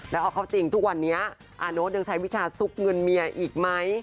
แล้วเอาเข้าจริงทุกวันนี้อาโน๊ตยังใช้วิชาซุกเงินเมียอีกไหม